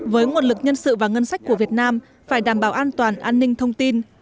với nguồn lực nhân sự và ngân sách của việt nam phải đảm bảo an toàn an ninh thông tin